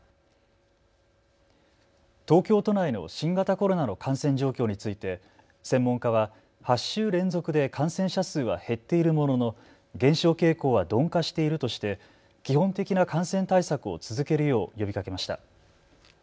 東京都内の新型コロナの感染状況について専門家は８週連続で感染者数は減っているものの減少傾向は鈍化しているとして基本的な感染対策を続けるよう呼びかけました。